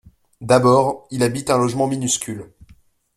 D’abord, il habite un logement minuscule.